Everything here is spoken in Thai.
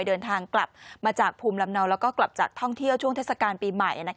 เดินทางกลับมาจากภูมิลำเนาแล้วก็กลับจากท่องเที่ยวช่วงเทศกาลปีใหม่